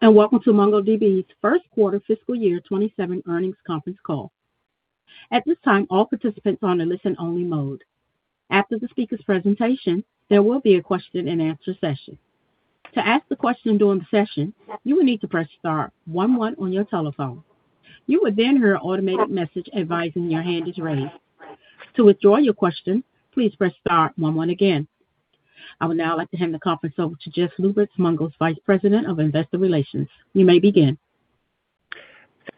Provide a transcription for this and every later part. Hello, welcome to MongoDB's first quarter fiscal year 2027 earnings conference call. At this time, all participants are on a listen-only mode. After the speaker's presentation, there will be a question and answer session. To ask a question during the session, you will need to press star one one on your telephone. You will then hear an automated message advising your hand is raised. To withdraw your question, please press star one one again. I would now like to hand the conference over to Jess Lubert, MongoDB's Vice President of Investor Relations. You may begin.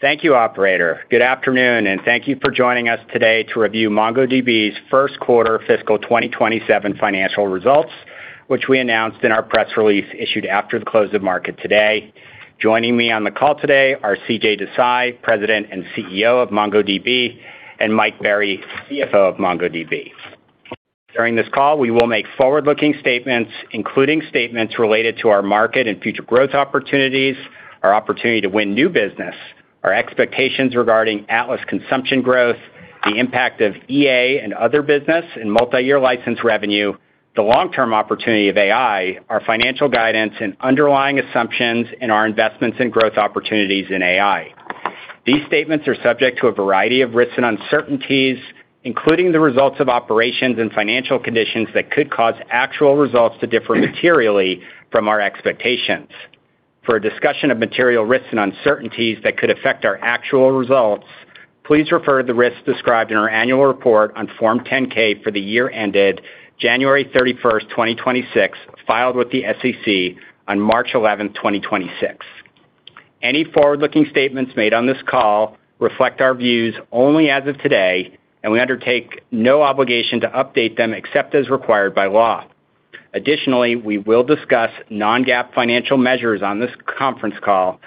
Thank you, operator. Good afternoon, and thank you for joining us today to review MongoDB's first quarter fiscal 2027 financial results, which we announced in our press release issued after the close of market today. Joining me on the call today are CJ Desai, President and CEO of MongoDB, and Mike Berry, Chief Financial Officer of MongoDB. During this call, we will make forward-looking statements, including statements related to our market and future growth opportunities, our opportunity to win new business, our expectations regarding Atlas consumption growth, the impact of EA and other business and multi-year license revenue, the long-term opportunity of AI, our financial guidance and underlying assumptions in our investments and growth opportunities in AI. These statements are subject to a variety of risks and uncertainties, including the results of operations and financial conditions that could cause actual results to differ materially from our expectations. For a discussion of material risks and uncertainties that could affect our actual results, please refer to the risks described in our annual report on Form 10-K for the year ended January 31st, 2026, filed with the SEC on March 11th, 2026. Any forward-looking statements made on this call reflect our views only as of today, and we undertake no obligation to update them except as required by law. Additionally, we will discuss non-GAAP financial measures on this conference call.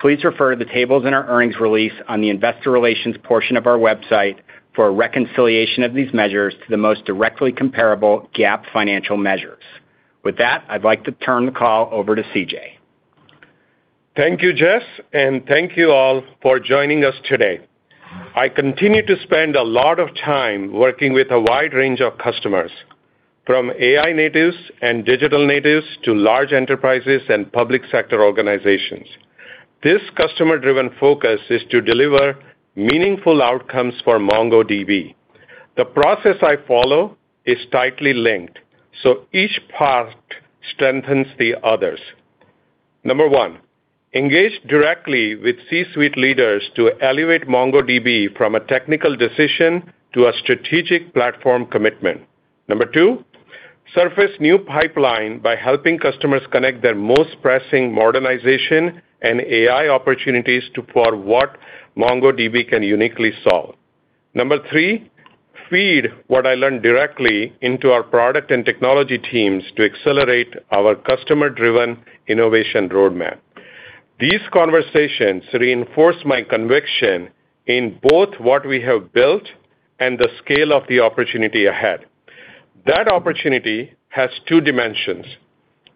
Please refer to the tables in our earnings release on the investor relations portion of our website for a reconciliation of these measures to the most directly comparable GAAP financial measures. With that, I'd like to turn the call over to CJ. Thank you, Jess, and thank you all for joining us today. I continue to spend a lot of time working with a wide range of customers, from AI natives and digital natives to large enterprises and public sector organizations. This customer-driven focus is to deliver meaningful outcomes for MongoDB. The process I follow is tightly linked, so each part strengthens the others. Number one, engage directly with C-suite leaders to elevate MongoDB from a technical decision to a strategic platform commitment. Number two, surface new pipeline by helping customers connect their most pressing modernization and AI opportunities to power what MongoDB can uniquely solve. Number three, feed what I learn directly into our product and technology teams to accelerate our customer-driven innovation roadmap. These conversations reinforce my conviction in both what we have built and the scale of the opportunity ahead. That opportunity has two dimensions.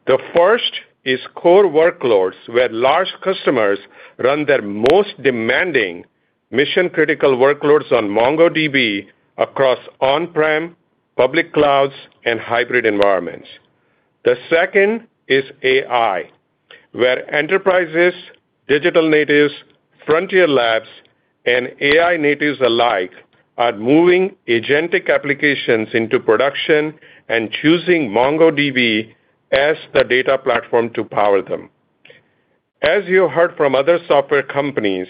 The first is core workloads, where large customers run their most demanding mission-critical workloads on MongoDB across on-prem, public clouds, and hybrid environments. The second is AI, where enterprises, digital natives, Frontier Labs, and AI natives alike are moving agentic applications into production and choosing MongoDB as the data platform to power them. As you heard from other software companies,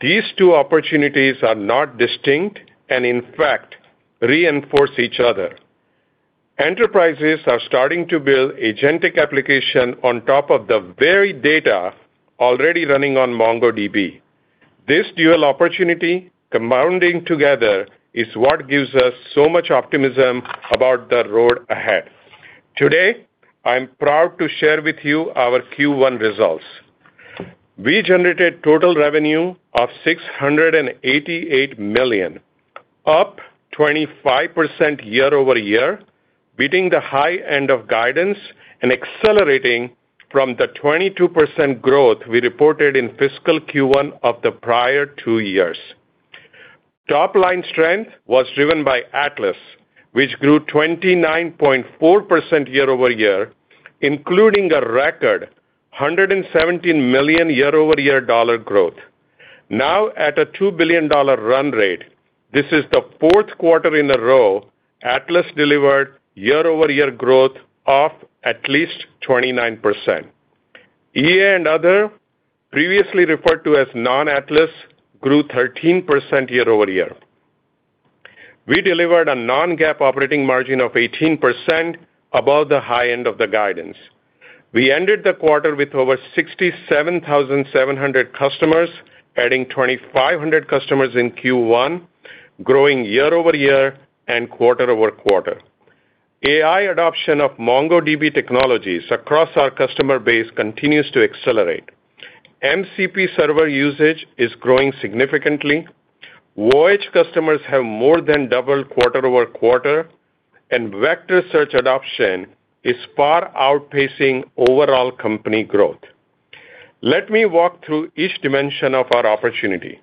these two opportunities are not distinct and in fact reinforce each other. Enterprises are starting to build agentic application on top of the very data already running on MongoDB. This dual opportunity compounding together is what gives us so much optimism about the road ahead. Today, I'm proud to share with you our Q1 results. We generated total revenue of $688 million, up 25% year-over-year, beating the high end of guidance and accelerating from the 22% growth we reported in fiscal Q1 of the prior two years. Top-line strength was driven by Atlas, which grew 29.4% year-over-year, including a record $117 million year-over-year growth. Now at a $2 billion run rate, this is the fourth quarter in a row Atlas delivered year-over-year growth of at least 25%. EA and other, previously referred to as non-Atlas, grew 13% year-over-year. We delivered a non-GAAP operating margin of 18% above the high end of the guidance. We ended the quarter with over 67,700 customers, adding 2,500 customers in Q1, growing year-over-year and quarter-over-quarter. AI adoption of MongoDB technologies across our customer base continues to accelerate. MCP server usage is growing significantly. Voyage customers have more than doubled quarter-over-quarter, and vector search adoption is far outpacing overall company growth. Let me walk through each dimension of our opportunity.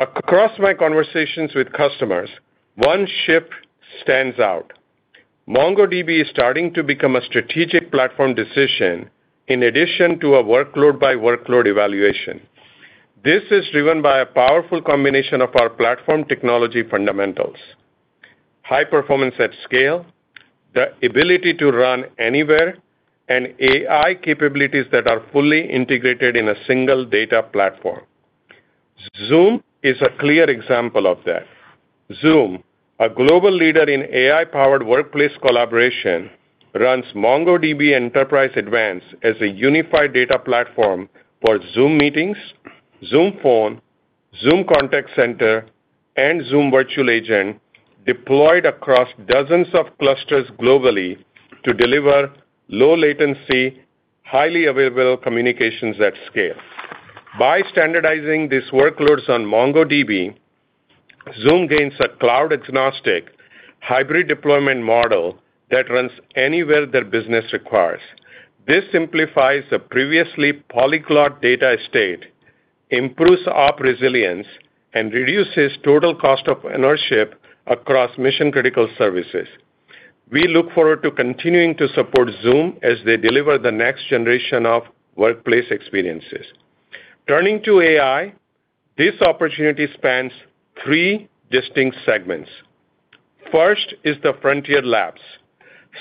Across my conversations with customers, one ship stands out. MongoDB is starting to become a strategic platform decision in addition to a workload by workload evaluation. This is driven by a powerful combination of our platform technology fundamentals, high performance at scale, the ability to run anywhere, and AI capabilities that are fully integrated in a single data platform. Zoom is a clear example of that. Zoom, a global leader in AI-powered workplace collaboration, runs MongoDB Enterprise Advanced as a unified data platform for Zoom Meetings, Zoom Phone, Zoom Contact Center, and Zoom Virtual Agent deployed across dozens of clusters globally to deliver low latency, highly available communications at scale. By standardizing these workloads on MongoDB, Zoom gains a cloud-agnostic hybrid deployment model that runs anywhere their business requires. This simplifies the previously polyglot data estate, improves op resilience, and reduces total cost of ownership across mission-critical services. We look forward to continuing to support Zoom as they deliver the next generation of workplace experiences. Turning to AI, this opportunity spans three distinct segments. First is the Frontier Labs.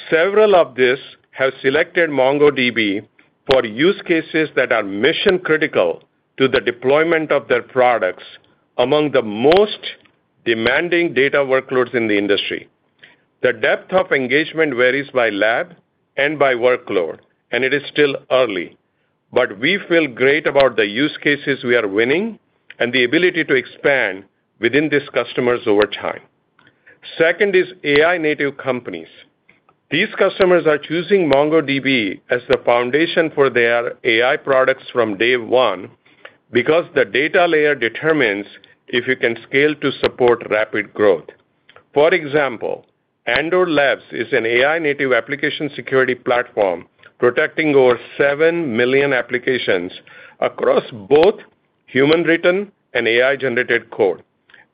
Several of these have selected MongoDB for use cases that are mission-critical to the deployment of their products among the most demanding data workloads in the industry. The depth of engagement varies by lab and by workload, and it is still early. We feel great about the use cases we are winning and the ability to expand within these customers over time. Second is AI-native companies. These customers are choosing MongoDB as the foundation for their AI products from day one because the data layer determines if you can scale to support rapid growth. For example, Endor Labs is an AI-native application security platform protecting over 7 million applications across both human-written and AI-generated code.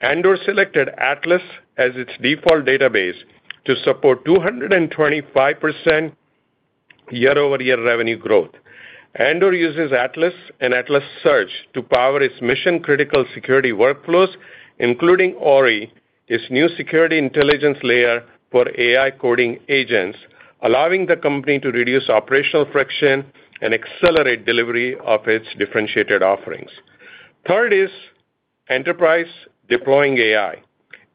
Endor selected Atlas as its default database to support 225% year-over-year revenue growth. Endor uses Atlas and Atlas Search to power its mission-critical security workflows, including Ori, its new security intelligence layer for AI coding agents, allowing the company to reduce operational friction and accelerate delivery of its differentiated offerings. Third is enterprise deploying AI.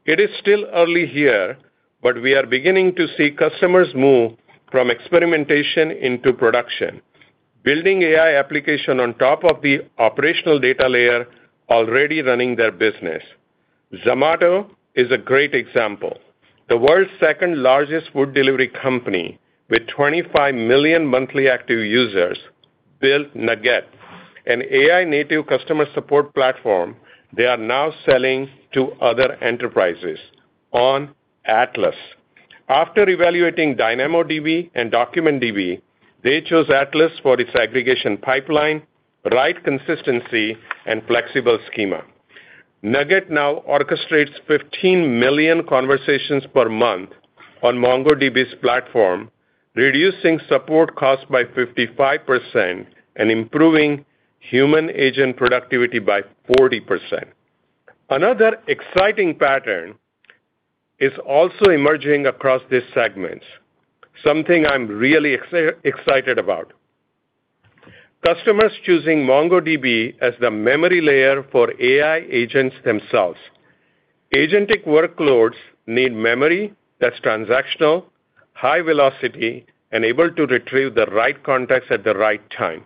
It is still early here, but we are beginning to see customers move from experimentation into production, building AI application on top of the operational data layer already running their business. Zomato is a great example. The world's second-largest food delivery company with 25 million monthly active users built Nugget, an AI-native customer support platform they are now selling to other enterprises on Atlas. After evaluating DynamoDB and DocumentDB, they chose Atlas for its aggregation pipeline, write consistency, and flexible schema. Nugget now orchestrates 15 million conversations per month on MongoDB's platform, reducing support costs by 55% and improving human agent productivity by 40%. Another exciting pattern is also emerging across these segments, something I'm really excited about. Customers choosing MongoDB as the memory layer for AI agents themselves. Agentic workloads need memory that's transactional, high velocity, and able to retrieve the right context at the right time.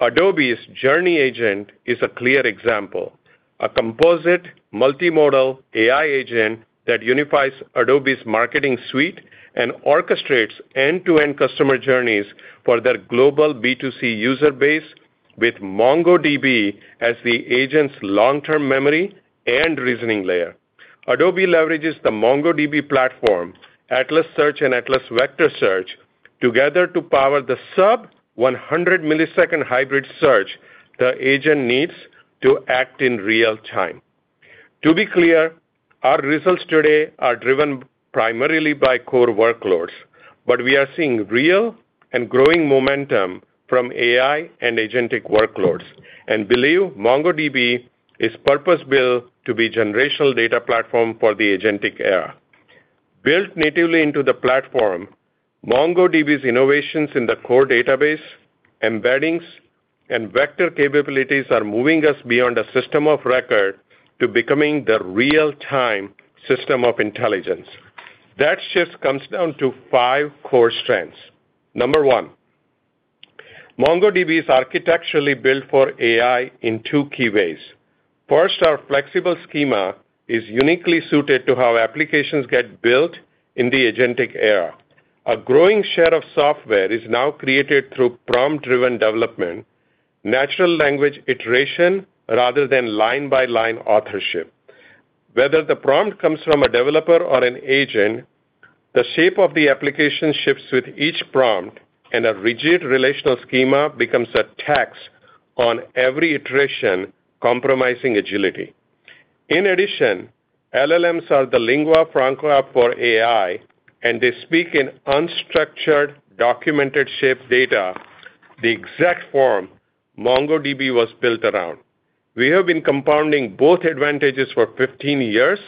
Adobe's Journey Agent is a clear example. A composite multimodal AI agent that unifies Adobe's marketing suite and orchestrates end-to-end customer journeys for their global B2C user base with MongoDB as the agent's long-term memory and reasoning layer. Adobe leverages the MongoDB platform, Atlas Search, and Atlas Vector Search together to power the sub-100-millisecond hybrid search the agent needs to act in real time. To be clear, our results today are driven primarily by core workloads. We are seeing real and growing momentum from AI and agentic workloads, and believe MongoDB is purpose-built to be generational data platform for the agentic era. Built natively into the platform, MongoDB's innovations in the core database, embeddings, and vector capabilities are moving us beyond a system of record to becoming the real-time system of intelligence. That shift comes down to five core strengths. Number one, MongoDB is architecturally built for AI in two key ways. First, our flexible schema is uniquely suited to how applications get built in the agentic era. A growing share of software is now created through prompt-driven development, natural language iteration rather than line-by-line authorship. Whether the prompt comes from a developer or an agent, the shape of the application shifts with each prompt and a rigid relational schema becomes a tax on every iteration, compromising agility. In addition, LLMs are the lingua franca for AI, and they speak in unstructured, document-shaped data, the exact form MongoDB was built around. We have been compounding both advantages for 15 years,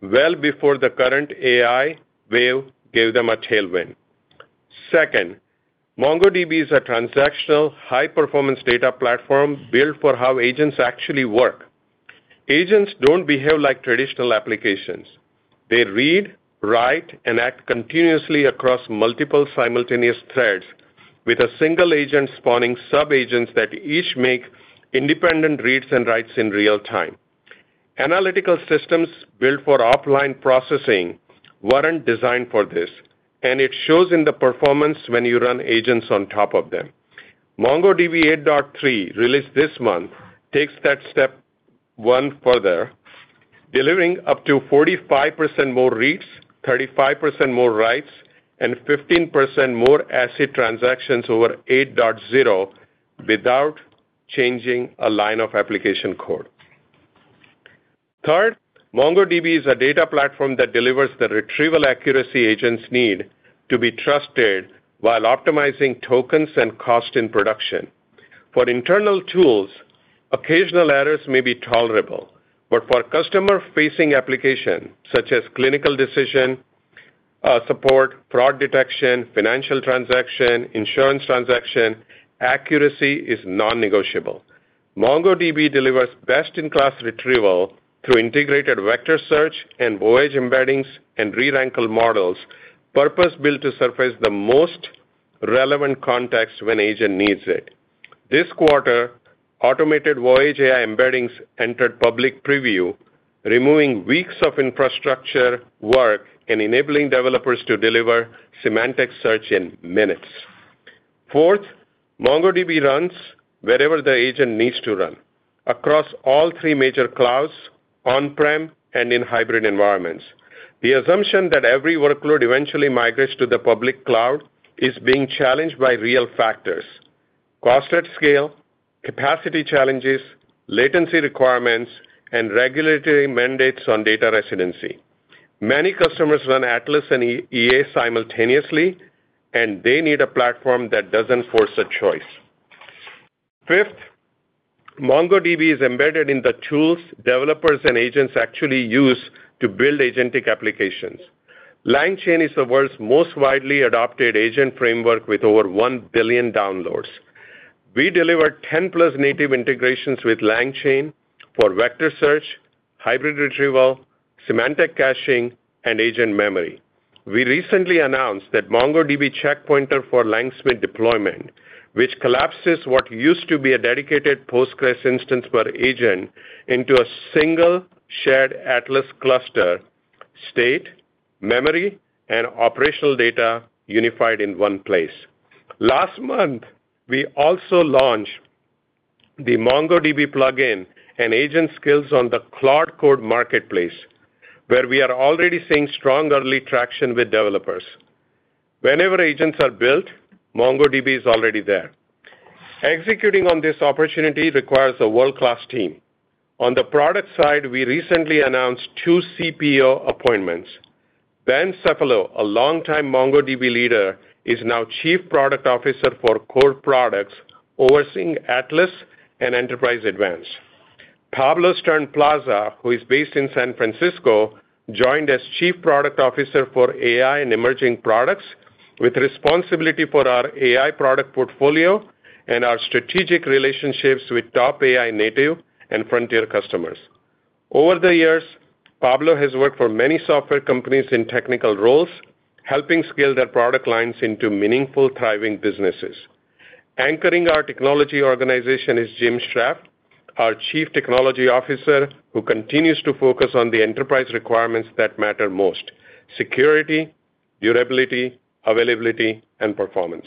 well before the current AI wave gave them a tailwind. Second, MongoDB is a transactional high-performance data platform built for how agents actually work. Agents don't behave like traditional applications. They read, write, and act continuously across multiple simultaneous threads with a one agent spawning sub-agents that each make independent reads and writes in real-time. Analytical systems built for offline processing weren't designed for this, and it shows in the performance when you run agents on top of them. MongoDB 8.3, released this month, takes that step one further, delivering up to 45% more reads, 35% more writes, and 15% more asset transactions over 8.0 without changing a line of application code. Third, MongoDB is a data platform that delivers the retrieval accuracy agents need to be trusted while optimizing tokens and cost in production. For internal tools, occasional errors may be tolerable. For customer-facing application, such as clinical decision support, fraud detection, financial transaction, insurance transaction, accuracy is non-negotiable. MongoDB delivers best-in-class retrieval through integrated vector search and Voyage embeddings and reranker models, purpose-built to surface the most relevant context when agent needs it. This quarter, automated Voyage AI embeddings entered public preview, removing weeks of infrastructure work and enabling developers to deliver semantic search in minutes. Fourth, MongoDB runs wherever the agent needs to run. Across all three major clouds, on-prem, and in hybrid environments. The assumption that every workload eventually migrates to the public cloud is being challenged by real factors: cost at scale, capacity challenges, latency requirements, and regulatory mandates on data residency. Many customers run Atlas and EA simultaneously. They need a platform that doesn't force a choice. Fifth, MongoDB is embedded in the tools developers and agents actually use to build agentic applications. LangChain is the world's most widely adopted agent framework with over 1 billion downloads. We delivered 10+ native integrations with LangChain for vector search, hybrid retrieval, semantic caching, and agent memory. We recently announced that MongoDB Checkpointer for LangSmith deployment, which collapses what used to be a dedicated Postgres instance per agent into a single shared Atlas cluster state, memory, and operational data unified in one place. Last month, we also launched the MongoDB plugin and Agent Skills on the Claude Code marketplace, where we are already seeing strong early traction with developers. Wherever agents are built, MongoDB is already there. Executing on this opportunity requires a world-class team. On the product side, we recently announced two CPO appointments. Ben Cefalo, a longtime MongoDB leader, is now Chief Product Officer for Core Products, overseeing Atlas and Enterprise Advanced. Pablo Stern-Plaza, who is based in San Francisco, joined as Chief Product Officer for AI and Emerging Products with responsibility for our AI product portfolio and our strategic relationships with top AI native and frontier customers. Over the years, Pablo has worked for many software companies in technical roles, helping scale their product lines into meaningful, thriving businesses. Anchoring our technology organization is Jim Scharf, our Chief Technology Officer, who continues to focus on the enterprise requirements that matter most: security, durability, availability, and performance.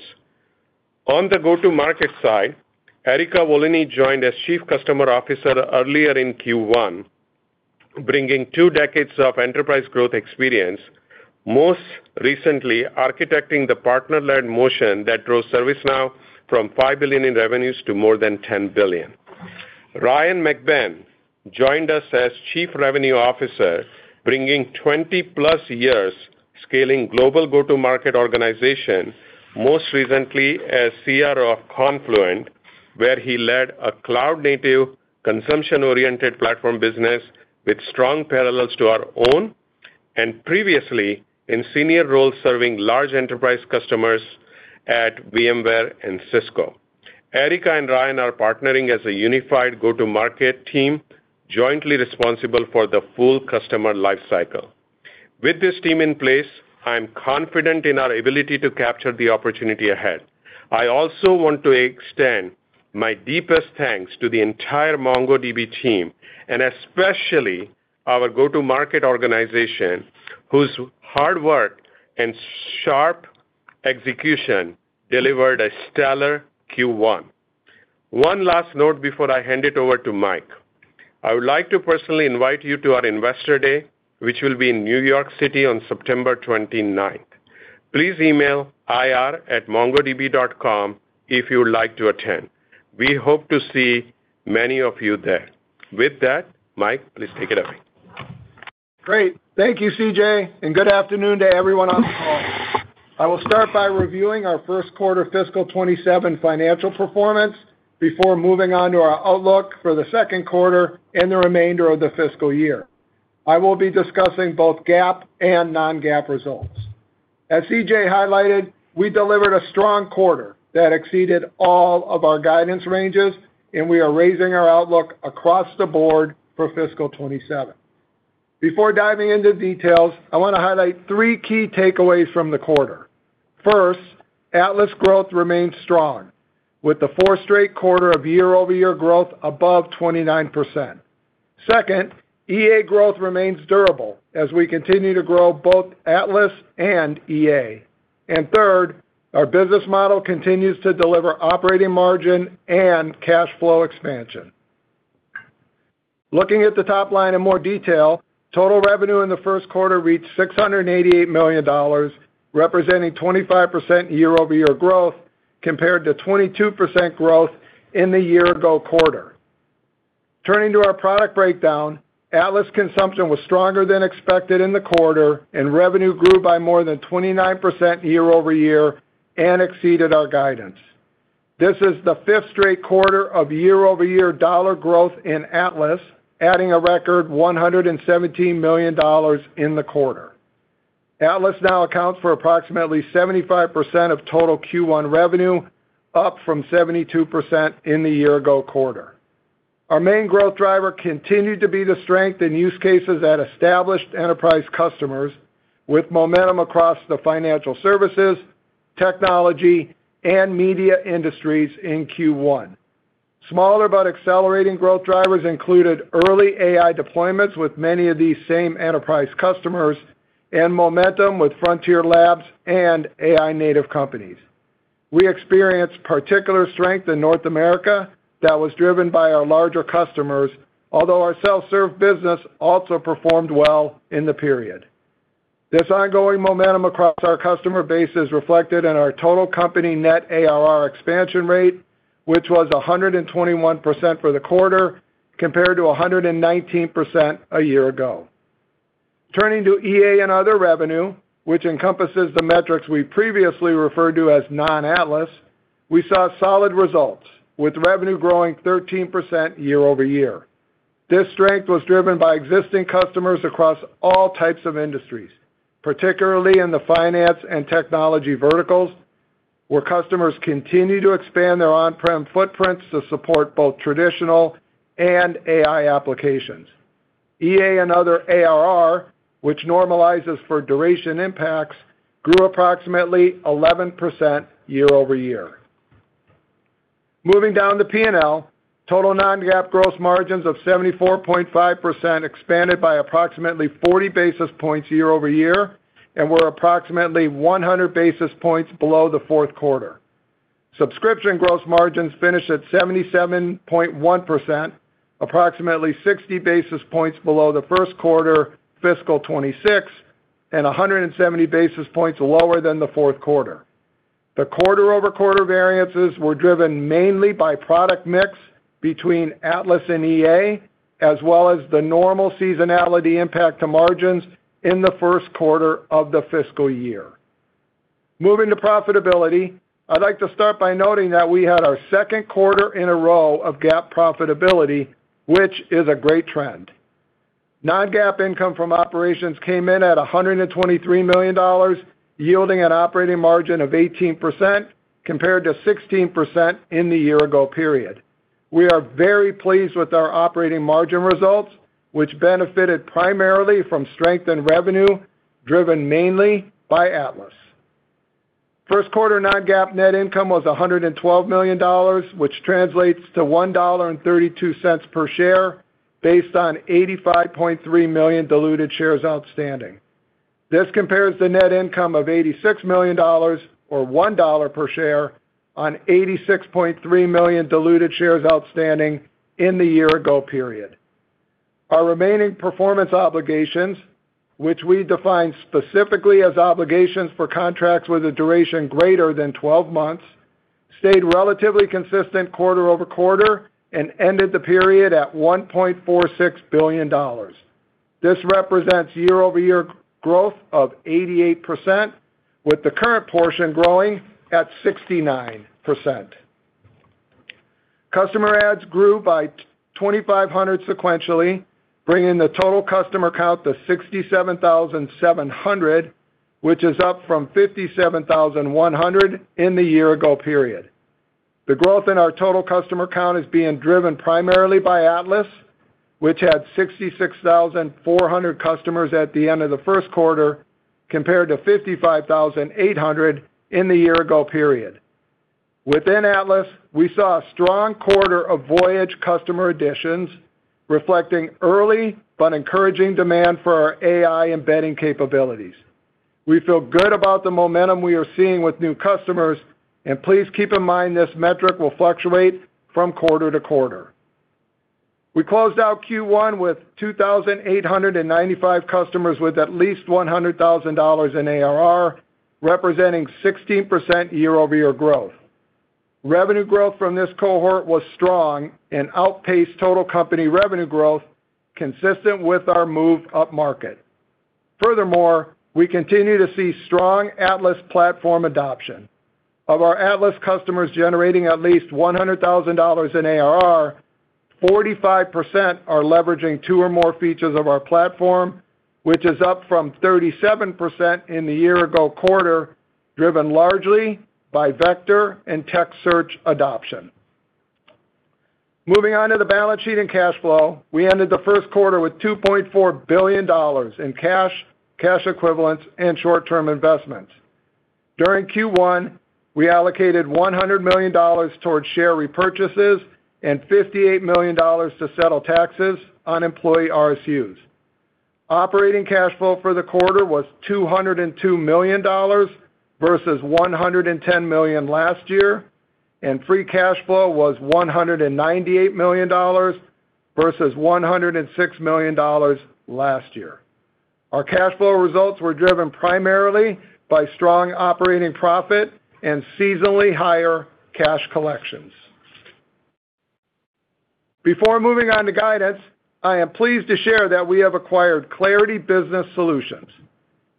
On the go-to-market side, Erica Volini joined as Chief Customer Officer earlier in Q1, bringing two decades of enterprise growth experience, most recently architecting the partner-led motion that drove ServiceNow from $5 billion in revenues to more than $10 billion. Ryan Mac Ban joined us as Chief Revenue Officer, bringing 20+ years scaling global go-to-market organization, most recently as CRO of Confluent, where he led a cloud-native, consumption-oriented platform business with strong parallels to our own, and previously in senior roles serving large enterprise customers at VMware and Cisco. Erica and Ryan are partnering as a unified go-to-market team, jointly responsible for the full customer life cycle. With this team in place, I'm confident in our ability to capture the opportunity ahead. I also want to extend my deepest thanks to the entire MongoDB team, and especially our go-to-market organization, whose hard work and sharp execution delivered a stellar Q1. One last note before I hand it over to Mike. I would like to personally invite you to our Investor Day, which will be in New York City on September 29th. Please email ir@mongodb.com if you would like to attend. We hope to see many of you there. With that, Mike, please take it away. Great. Thank you, CJ. Good afternoon to everyone on the call. I will start by reviewing our first quarter fiscal 2027 financial performance before moving on to our outlook for the second quarter and the remainder of the fiscal year. I will be discussing both GAAP and non-GAAP results. As CJ highlighted, we delivered a strong quarter that exceeded all of our guidance ranges. We are raising our outlook across the board for fiscal 2027. Before diving into details, I want to highlight three key takeaways from the quarter. First, Atlas growth remains strong, with the fourth straight quarter of year-over-year growth above 29%. Second, EA growth remains durable as we continue to grow both Atlas and EA. Third, our business model continues to deliver operating margin and cash flow expansion. Looking at the top line in more detail, total revenue in the first quarter reached $688 million, representing 25% year-over-year growth compared to 22% growth in the year-ago quarter. Turning to our product breakdown, Atlas consumption was stronger than expected in the quarter, and revenue grew by more than 29% year-over-year and exceeded our guidance. This is the fifth straight quarter of year-over-year dollar growth in Atlas, adding a record $117 million in the quarter. Atlas now accounts for approximately 75% of total Q1 revenue, up from 72% in the year-ago quarter. Our main growth driver continued to be the strength in use cases at established enterprise customers, with momentum across the financial services, technology, and media industries in Q1. Smaller but accelerating growth drivers included early AI deployments with many of these same enterprise customers and momentum with Frontier Labs and AI native companies. We experienced particular strength in North America that was driven by our larger customers, although our self-serve business also performed well in the period. This ongoing momentum across our customer base is reflected in our total company net ARR expansion rate, which was 121% for the quarter, compared to 119% a year ago. Turning to EA and other revenue, which encompasses the metrics we previously referred to as non-Atlas, we saw solid results, with revenue growing 13% year-over-year. This strength was driven by existing customers across all types of industries, particularly in the finance and technology verticals, where customers continue to expand their on-prem footprints to support both traditional and AI applications. EA and other ARR, which normalizes for duration impacts, grew approximately 11% year-over-year. Moving down to P&L, total non-GAAP gross margins of 74.5% expanded by approximately 40 basis points year-over-year and were approximately 100 basis points below the fourth quarter. Subscription gross margins finished at 77.1%, approximately 60 basis points below the first quarter fiscal 2026 and 170 basis points lower than the fourth quarter. The quarter-over-quarter variances were driven mainly by product mix between Atlas and EA, as well as the normal seasonality impact to margins in the first quarter of the fiscal year. Moving to profitability, I'd like to start by noting that we had our second quarter in a row of GAAP profitability, which is a great trend. Non-GAAP income from operations came in at $123 million, yielding an operating margin of 18%, compared to 16% in the year-ago period. We are very pleased with our operating margin results, which benefited primarily from strength in revenue, driven mainly by Atlas. First quarter non-GAAP net income was $112 million, which translates to $1.32 per share, based on 85.3 million diluted shares outstanding. This compares the net income of $86 million, or $1 per share, on 86.3 million diluted shares outstanding in the year-ago period. Our remaining performance obligations, which we define specifically as obligations for contracts with a duration greater than 12 months, stayed relatively consistent quarter-over-quarter and ended the period at $1.46 billion. This represents year-over-year growth of 88%, with the current portion growing at 69%. Customer adds grew by 2,500 sequentially, bringing the total customer count to 67,700, which is up from 57,100 in the year-ago period. The growth in our total customer count is being driven primarily by Atlas, which had 66,400 customers at the end of the first quarter, compared to 55,800 in the year-ago period. Within Atlas, we saw a strong quarter of Voyage customer additions, reflecting early but encouraging demand for our AI embedding capabilities. We feel good about the momentum we are seeing with new customers, and please keep in mind this metric will fluctuate from quarter to quarter. We closed out Q1 with 2,895 customers with at least $100,000 in ARR, representing 16% year-over-year growth. Revenue growth from this cohort was strong and outpaced total company revenue growth, consistent with our move upmarket. Furthermore, we continue to see strong Atlas platform adoption. Of our Atlas customers generating at least $100,000 in ARR, 45% are leveraging two or more features of our platform, which is up from 37% in the year-ago quarter, driven largely by Vector Search and Text Search adoption. Moving on to the balance sheet and cash flow, we ended the first quarter with $2.4 billion in cash equivalents, and short-term investments. During Q1, we allocated $100 million towards share repurchases and $58 million to settle taxes on employee RSUs. Operating cash flow for the quarter was $202 million versus $110 million last year, and free cash flow was $198 million versus $106 million last year. Our cash flow results were driven primarily by strong operating profit and seasonally higher cash collections. Before moving on to guidance, I am pleased to share that we have acquired Clarity Business Solutions.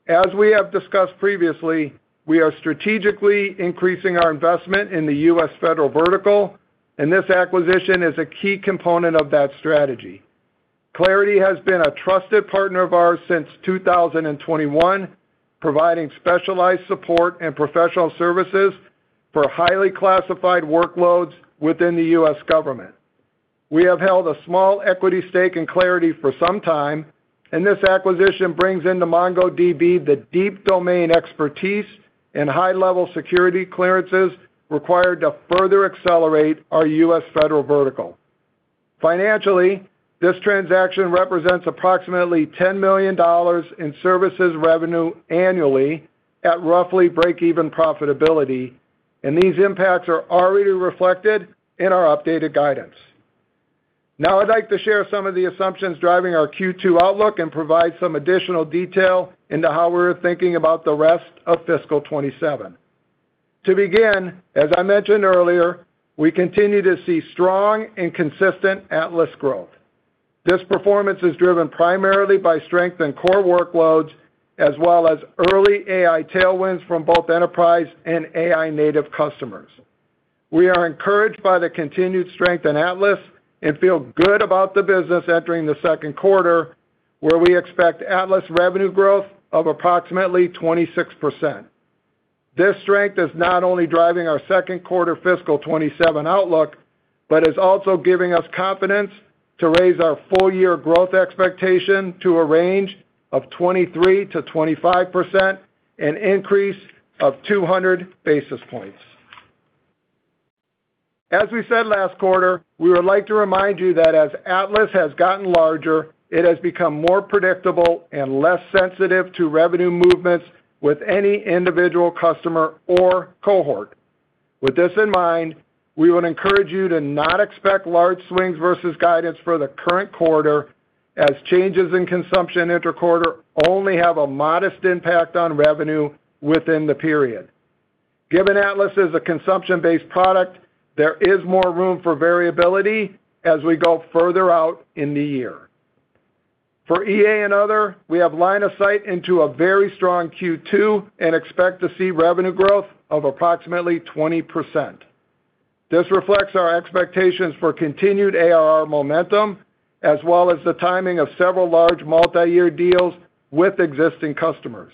As we have discussed previously, we are strategically increasing our investment in the U.S. federal vertical, and this acquisition is a key component of that strategy. Clarity has been a trusted partner of ours since 2021, providing specialized support and professional services for highly classified workloads within the U.S. government. We have held a small equity stake in Clarity for some time, and this acquisition brings into MongoDB the deep domain expertise and high-level security clearances required to further accelerate our U.S. federal vertical. Financially, this transaction represents approximately $10 million in services revenue annually at roughly break-even profitability, and these impacts are already reflected in our updated guidance. Now I'd like to share some of the assumptions driving our Q2 outlook and provide some additional detail into how we're thinking about the rest of fiscal 2027. To begin, as I mentioned earlier, we continue to see strong and consistent Atlas growth. This performance is driven primarily by strength in core workloads, as well as early AI tailwinds from both enterprise and AI native customers. We are encouraged by the continued strength in Atlas and feel good about the business entering the second quarter, where we expect Atlas revenue growth of approximately 26%. This strength is not only driving our second quarter fiscal 2027 outlook, but is also giving us confidence to raise our full-year growth expectation to a range of 23%-25%, an increase of 200 basis points. As we said last quarter, we would like to remind you that as Atlas has gotten larger, it has become more predictable and less sensitive to revenue movements with any individual customer or cohort. With this in mind, we would encourage you to not expect large swings versus guidance for the current quarter, as changes in consumption inter-quarter only have a modest impact on revenue within the period. Given Atlas is a consumption-based product, there is more room for variability as we go further out in the year. For EA and other, we have line of sight into a very strong Q2 and expect to see revenue growth of approximately 20%. This reflects our expectations for continued ARR momentum, as well as the timing of several large multi-year deals with existing customers.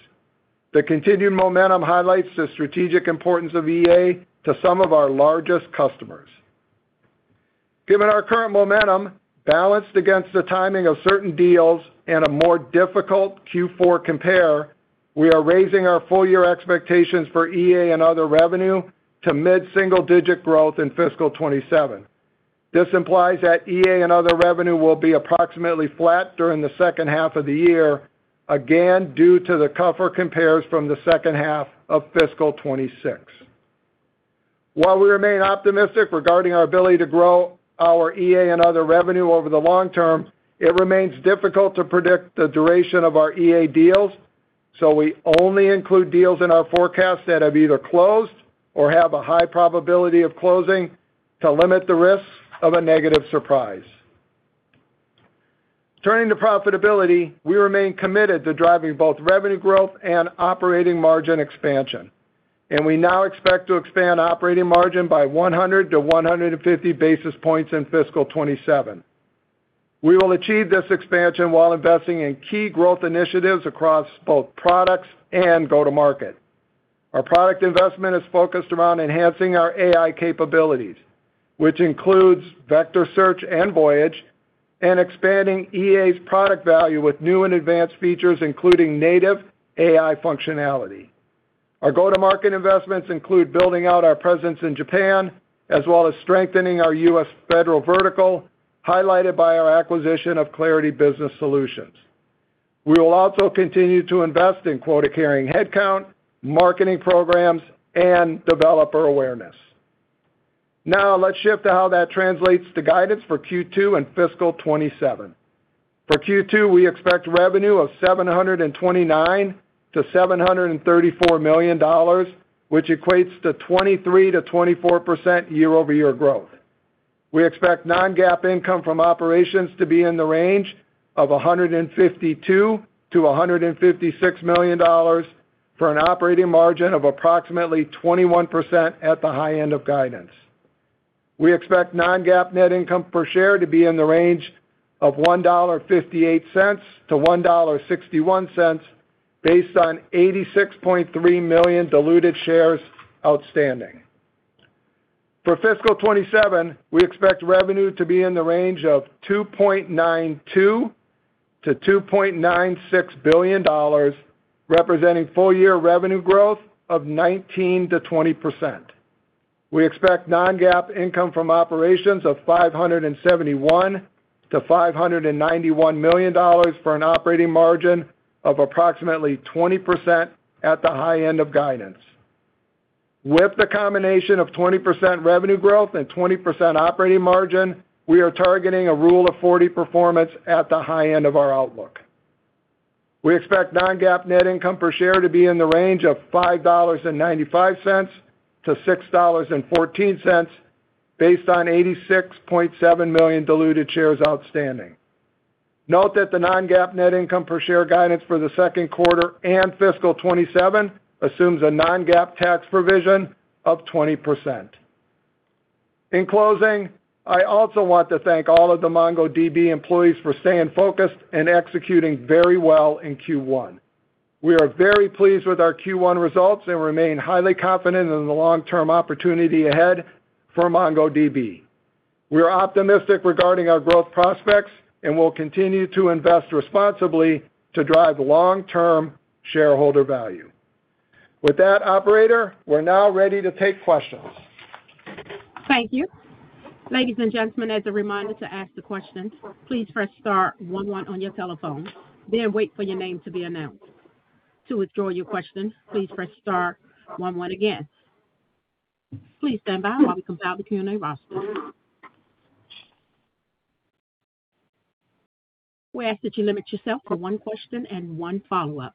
The continued momentum highlights the strategic importance of EA to some of our largest customers. Given our current momentum, balanced against the timing of certain deals and a more difficult Q4 compare, we are raising our full-year expectations for EA and other revenue to mid-single-digit growth in fiscal 2027. This implies that EA and other revenue will be approximately flat during the second half of the year, again, due to the tougher compares from the second half of fiscal 2026. While we remain optimistic regarding our ability to grow our EA and other revenue over the long term, it remains difficult to predict the duration of our EA deals, so we only include deals in our forecast that have either closed or have a high probability of closing to limit the risks of a negative surprise. Turning to profitability, we remain committed to driving both revenue growth and operating margin expansion, and we now expect to expand operating margin by 100 to 150 basis points in fiscal 2027. We will achieve this expansion while investing in key growth initiatives across both products and go-to-market. Our product investment is focused around enhancing our AI capabilities, which includes vector search and Voyage, and expanding EA's product value with new and advanced features, including native AI functionality. Our go-to-market investments include building out our presence in Japan, as well as strengthening our U.S. federal vertical, highlighted by our acquisition of Clarity Business Solutions. We will also continue to invest in quota-carrying headcount, marketing programs, and developer awareness. Now let's shift to how that translates to guidance for Q2 and fiscal 2027. For Q2, we expect revenue of $729 million-$734 million, which equates to 23%-24% year-over-year growth. We expect non-GAAP income from operations to be in the range of $152 million-$156 million for an operating margin of approximately 21% at the high end of guidance. We expect non-GAAP net income per share to be in the range of $1.58-$1.61 based on 86.3 million diluted shares outstanding. For fiscal 2027, we expect revenue to be in the range of $2.92 billion-$2.96 billion, representing full-year revenue growth of 19%-20%. We expect non-GAAP income from operations of $571 million-$591 million for an operating margin of approximately 20% at the high end of guidance. With the combination of 20% revenue growth and 20% operating margin, we are targeting a rule of 40 performance at the high end of our outlook. We expect non-GAAP net income per share to be in the range of $5.95-$6.14 based on 86.7 million diluted shares outstanding. Note that the non-GAAP net income per share guidance for the second quarter and fiscal 2027 assumes a non-GAAP tax provision of 20%. In closing, I also want to thank all of the MongoDB employees for staying focused and executing very well in Q1. We are very pleased with our Q1 results and remain highly confident in the long-term opportunity ahead for MongoDB. We are optimistic regarding our growth prospects and will continue to invest responsibly to drive long-term shareholder value. With that, operator, we're now ready to take questions. Thank you. Ladies and gentlemen, as a reminder to ask the questions, please press star one one on your telephone, then wait for your name to be announced. To withdraw your question, please press star one one again. Please stand by while we compile the Q&A roster. We ask that you limit yourself to one question and one follow-up.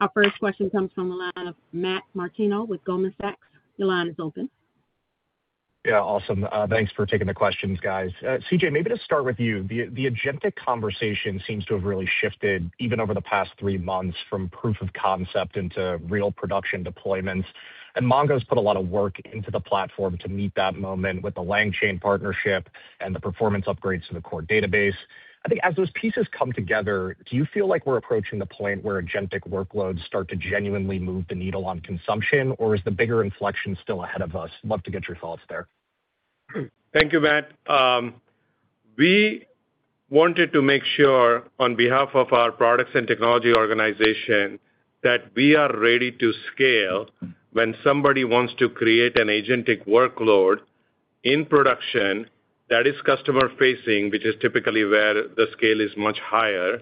Our first question comes from the line of Matt Martino with Goldman Sachs. Your line is open. Yeah. Awesome. Thanks for taking the questions, guys. CJ, maybe to start with you, the agentic conversation seems to have really shifted even over the past three months from proof of concept into real production deployments, Mongo's put a lot of work into the platform to meet that moment with the LangChain partnership and the performance upgrades to the core database. I think as those pieces come together, do you feel like we're approaching the point where agentic workloads start to genuinely move the needle on consumption, or is the bigger inflection still ahead of us? Love to get your thoughts there. Thank you, Matt. We wanted to make sure, on behalf of our products and technology organization, that we are ready to scale when somebody wants to create an agentic workload in production that is customer-facing, which is typically where the scale is much higher,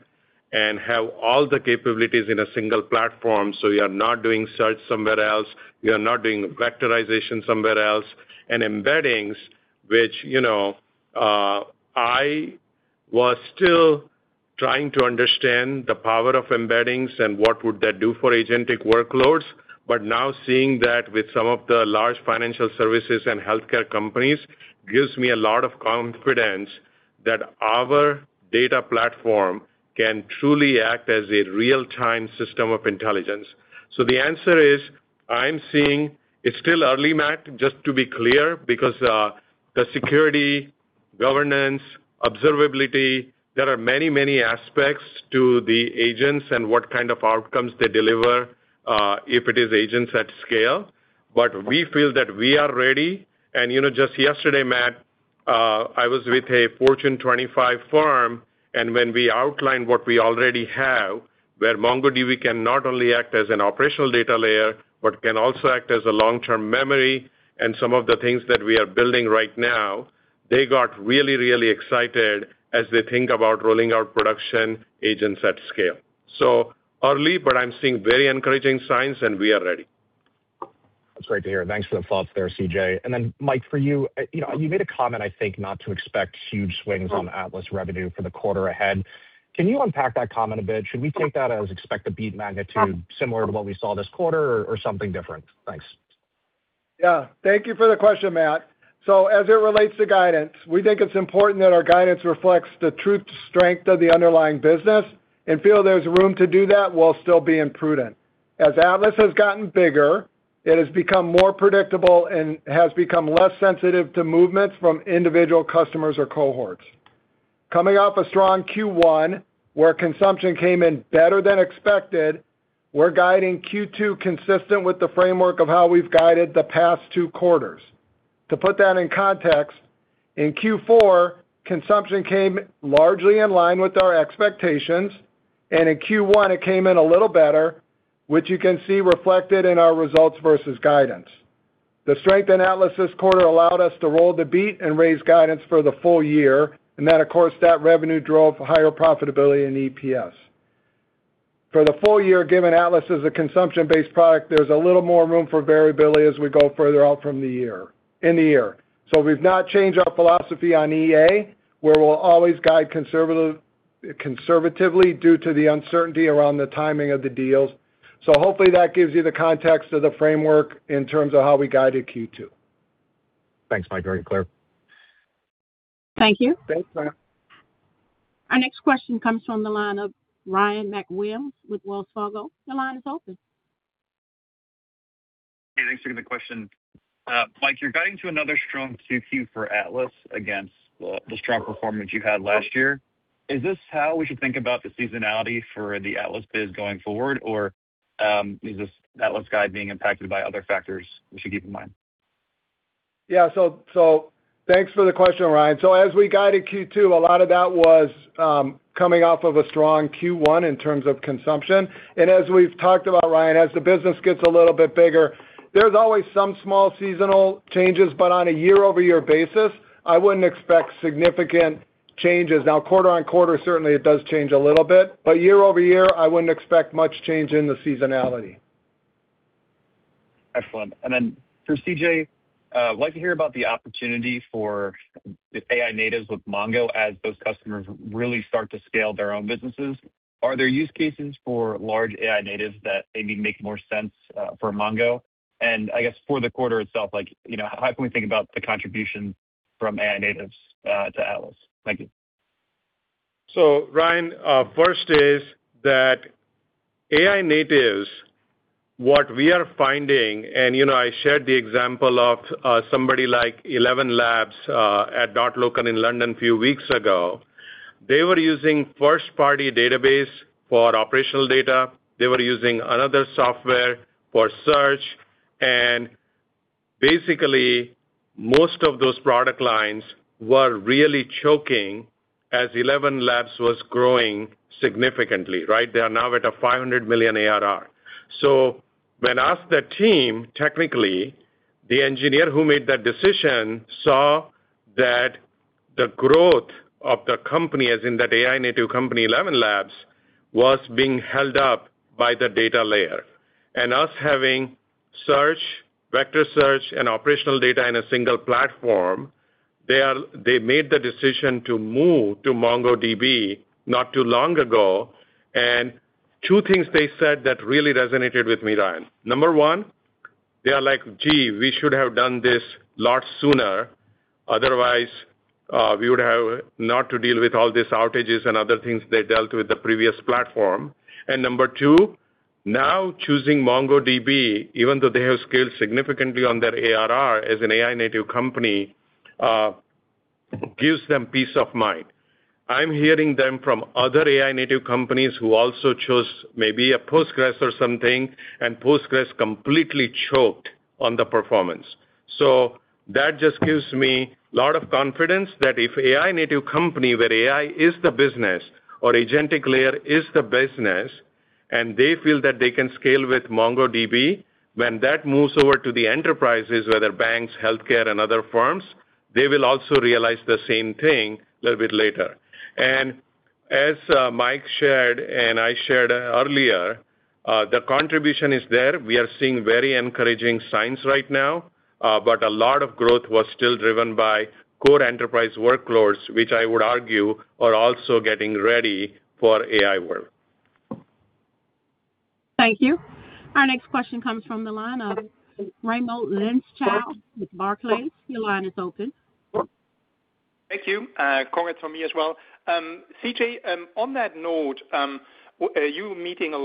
and have all the capabilities in a single platform, so you are not doing search somewhere else, you are not doing vectorization somewhere else, and embeddings, which I was still trying to understand the power of embeddings and what would that do for agentic workloads. Now seeing that with some of the large financial services and healthcare companies gives me a lot of confidence that our data platform can truly act as a real-time system of intelligence. The answer is, I'm seeing it's still early, Matt, just to be clear, because the security, governance, observability, there are many, many aspects to the agents and what kind of outcomes they deliver, if it is agents at scale. We feel that we are ready. Just yesterday, Matt, I was with a Fortune 25 firm, and when we outlined what we already have, where MongoDB can not only act as an operational data layer, but can also act as a long-term memory, and some of the things that we are building right now, they got really, really excited as they think about rolling out production agents at scale. Early, but I'm seeing very encouraging signs, and we are ready. That's great to hear. Thanks for the thoughts there, CJ. Mike, for you made a comment, I think, not to expect huge swings on Atlas revenue for the quarter ahead. Can you unpack that comment a bit? Should we take that as expect a beat magnitude similar to what we saw this quarter or something different? Thanks. Thank you for the question, Matt. As it relates to guidance, we think it's important that our guidance reflects the true strength of the underlying business and feel there's room to do that while still being prudent. As Atlas has gotten bigger, it has become more predictable and has become less sensitive to movements from individual customers or cohorts. Coming off a strong Q1, where consumption came in better than expected, we're guiding Q2 consistent with the framework of how we've guided the past two quarters. To put that in context, in Q4, consumption came largely in line with our expectations, and in Q1, it came in a little better, which you can see reflected in our results versus guidance. That revenue drove higher profitability in EPS. For the full year, given Atlas is a consumption-based product, there's a little more room for variability as we go further out in the year. We've not changed our philosophy on EA, where we'll always guide conservatively due to the uncertainty around the timing of the deals. Hopefully that gives you the context of the framework in terms of how we guided Q2. Thanks, Mike. Very clear. Thank you. Thanks, ma'am. Our next question comes from the line of Ryan MacWilliams with Wells Fargo. Your line is open. Hey, thanks for the question. Mike, you're guiding to another strong 2Q for Atlas against the strong performance you had last year. Is this how we should think about the seasonality for the Atlas biz going forward? Is this Atlas guide being impacted by other factors we should keep in mind? Thanks for the question, Ryan. As we guided Q2, a lot of that was coming off of a strong Q1 in terms of consumption. As we've talked about, Ryan, as the business gets a little bit bigger, there's always some small seasonal changes, but on a year-over-year basis, I wouldn't expect significant changes. Quarter-over-quarter, certainly it does change a little bit, but year-over-year, I wouldn't expect much change in the seasonality. Excellent. Then for CJ, I'd like to hear about the opportunity for AI natives with Mongo as those customers really start to scale their own businesses. Are there use cases for large AI natives that maybe make more sense for Mongo? And I guess for the quarter itself, how can we think about the contribution from AI natives to Atlas? Thank you. Ryan, first is that AI natives, what we are finding, and I shared the example of somebody like ElevenLabs at MongoDB.local in London a few weeks ago. They were using first-party database for operational data. They were using another software for search, and basically, most of those product lines were really choking as ElevenLabs was growing significantly, right? They are now at a $500 million ARR. When asked the team, technically, the engineer who made that decision saw that the growth of the company, as in that AI native company, ElevenLabs, was being held up by the data layer. Us having search, vector search, and operational data in a single platform, they made the decision to move to MongoDB not too long ago. Two things they said that really resonated with me, Ryan. Number one, they are like, "Gee, we should have done this lot sooner. Otherwise, we would have not to deal with all these outages," and other things they dealt with the previous platform. Number two, now choosing MongoDB, even though they have scaled significantly on their ARR as an AI native company gives them peace of mind. I'm hearing them from other AI native companies who also chose maybe a Postgres or something, and Postgres completely choked on the performance. That just gives me a lot of confidence that if AI native company, where AI is the business or agentic layer is the business, and they feel that they can scale with MongoDB, when that moves over to the enterprises, whether banks, healthcare, and other firms, they will also realize the same thing a little bit later. As Mike shared and I shared earlier, the contribution is there. We are seeing very encouraging signs right now, but a lot of growth was still driven by core enterprise workloads, which I would argue are also getting ready for AI work. Thank you. Our next question comes from the line of Raimo Lenschow with Barclays. Your line is open. Thank you. Congrats from me as well. CJ, on that note, you're meeting a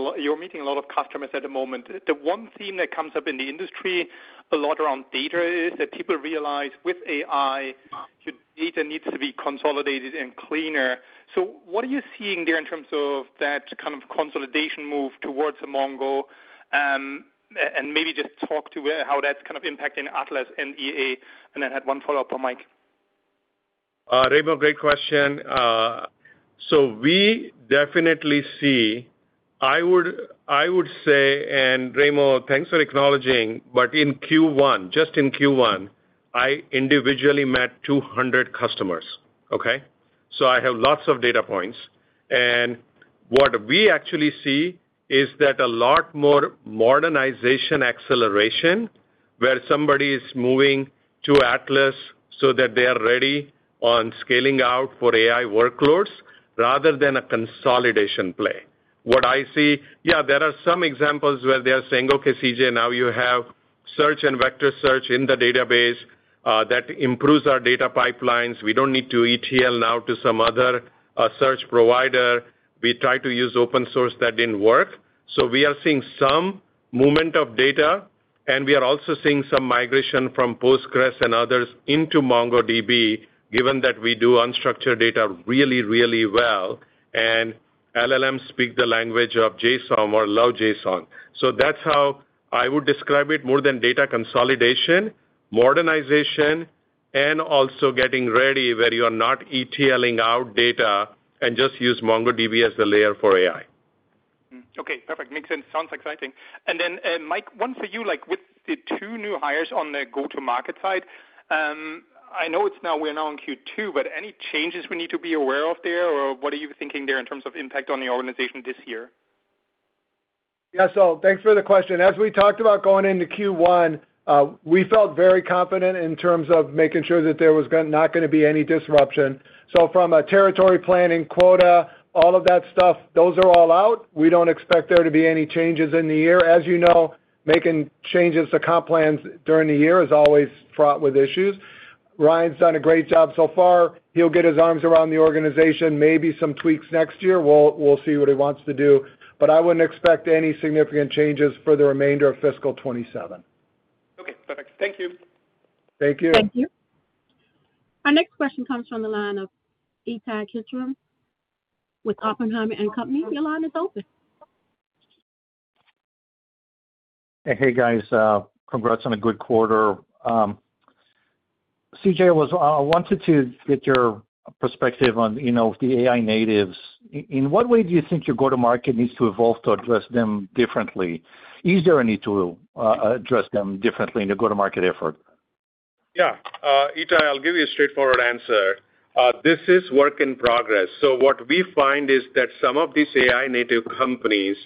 lot of customers at the moment. The one theme that comes up in the industry a lot around data is that people realize with AI, your data needs to be consolidated and cleaner. What are you seeing there in terms of that kind of consolidation move towards Mongo? Maybe just talk to how that's impacting Atlas and EA. I had one follow-up for Mike. Raimo, great question. We definitely see, I would say, and Raimo, thanks for acknowledging, but in Q1, just in Q1, I individually met 200 customers. Okay? I have lots of data points. What we actually see is that a lot more modernization acceleration where somebody is moving to Atlas so that they are ready on scaling out for AI workloads rather than a consolidation play. What I see, yeah, there are some examples where they are saying, "Okay, CJ, now you have Search and Vector Search in the database that improves our data pipelines. We don't need to ETL now to some other search provider. We tried to use open source, that didn't work. We are seeing some movement of data, and we are also seeing some migration from Postgres and others into MongoDB, given that we do unstructured data really, really well, and LLMs speak the language of JSON or love JSON. That's how I would describe it more than data consolidation, modernization, and also getting ready where you are not ETL-ing out data and just use MongoDB as the layer for AI. Okay, perfect. Makes sense. Sounds exciting. Mike, one for you. With the two new hires on the go-to-market side, I know we're now in Q2, any changes we need to be aware of there, or what are you thinking there in terms of impact on the organization this year? Thanks for the question. As we talked about going into Q1, we felt very confident in terms of making sure that there was not going to be any disruption. From a territory planning quota, all of that stuff, those are all out. We don't expect there to be any changes in the year. As you know, making changes to comp plans during the year is always fraught with issues. Ryan Mac Ban's done a great job so far. He'll get his arms around the organization, maybe some tweaks next year. We'll see what he wants to do. I wouldn't expect any significant changes for the remainder of fiscal 2027. Okay, perfect. Thank you. Thank you. Thank you. Our next question comes from the line of Ittai Kidron with Oppenheimer & Co. Your line is open. Hey, guys. Congrats on a good quarter. CJ, I wanted to get your perspective on the AI natives. In what way do you think your go-to-market needs to evolve to address them differently? Is there a need to address them differently in the go-to-market effort? Yeah. Ittai, I'll give you a straightforward answer. This is work in progress. What we find is that some of these AI native companies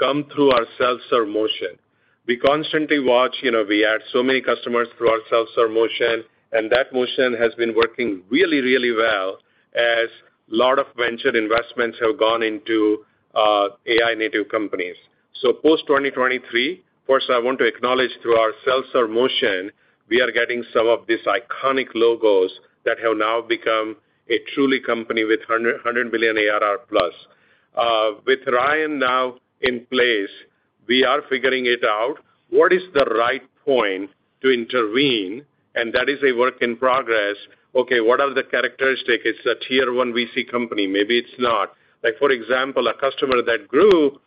come through our self-serve motion. We constantly watch, we add so many customers through our self-serve motion, and that motion has been working really well as lot of venture investments have gone into AI native companies. Post 2023, first I want to acknowledge through our self-serve motion, we are getting some of these iconic logos that have now become a truly company with 100 million ARR plus. With Ryan now in place, we are figuring it out. What is the right point to intervene, and that is a work in progress. What are the characteristic? It's a Tier 1 VC company. Maybe it's not. For example, a customer that grew,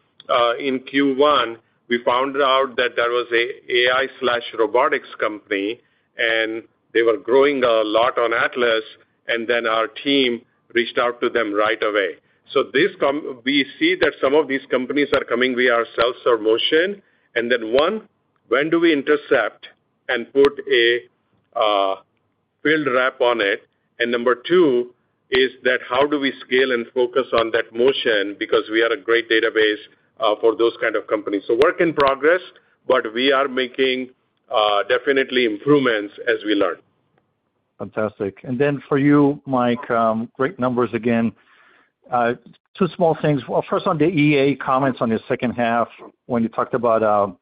in Q1, we found out that there was a AI/robotics company, and they were growing a lot on Atlas, and then our team reached out to them right away. We see that some of these companies are coming via our self-serve motion. One, when do we intercept and put a field wrap on it? Number two is that how do we scale and focus on that motion because we are a great database for those kind of companies. Work in progress, but we are making definitely improvements as we learn. Fantastic. Then for you, Mike, great numbers again. Two small things. First on the EA comments on the second half when you talked about